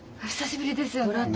お久しぶりですよね。